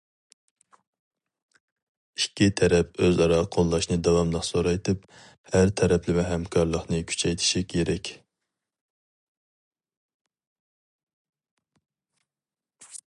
ئىككى تەرەپ ئۆزئارا قوللاشنى داۋاملىق زورايتىپ، ھەر تەرەپلىمە ھەمكارلىقنى كۈچەيتىشى كېرەك.